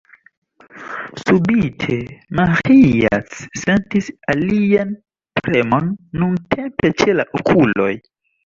Subite, Maĥiac sentis alian premon, nuntempe ĉe la okuloj.